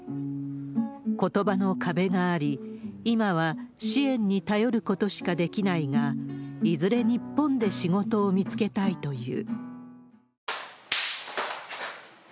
ことばの壁があり、今は支援に頼ることしかできないが、いずれ日本で仕事を見つけたいという。